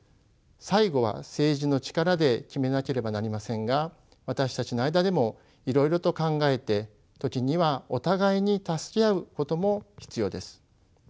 最後は政治の力で決めなければなりませんが私たちの間でもいろいろと考えて時にはお互いに助け合うことも必要です。